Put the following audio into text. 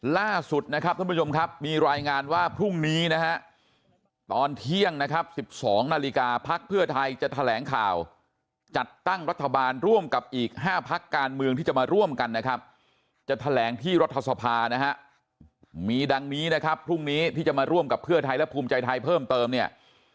ล่าสุดนะครับท่านผู้ชมครับมีรายงานว่าพรุ่งนี้นะฮะตอนเที่ยงนะครับ๑๒นาฬิกาพักเพื่อไทยจะแถลงข่าวจัดตั้งรัฐบาลร่วมกับอีก๕พักการเมืองที่จะมาร่วมกันนะครับจะแถลงที่รัฐสภานะฮะมีดังนี้นะครับพรุ่งนี้ที่จะมาร่วมกับเพื่อไทยและภูมิใจไทยเพิ่มเติมเนี่ย